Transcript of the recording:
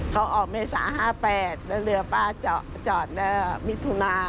เขาออกเมษา๕๘น